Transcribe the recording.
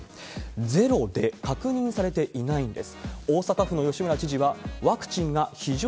ゼロで、確認されていないんです。